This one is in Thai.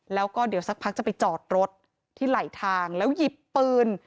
แล้วก็เดี๋ยวสักพักจะไปจอดรถที่ไหลทางแล้วหยิบปืน